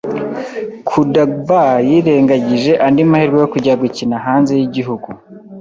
Koudagba yirengagije andi mahirwe yo kujya gukina hanze y'iguhugu